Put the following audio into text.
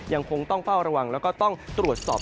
ยังคงต้องเฝ้าระวังแล้วก็ต้องตรวจสอบ